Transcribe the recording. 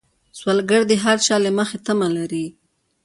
سوالګر د هر چا له مخې تمه لري